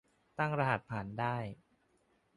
ตั้งรหัสผ่านได้